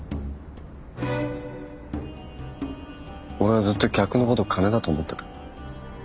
俺はずっと客のこと金だと思ってた。